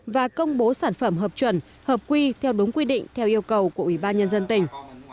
và công bố sản phẩm hợp chuẩn hợp quy theo đúng quy định theo yêu cầu của ủy ban nhân dân tỉnh